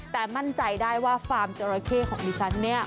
แต่มั่นใจได้ว่าฟาร์มจราเข้ของดิฉันเนี่ย